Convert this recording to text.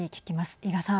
伊賀さん。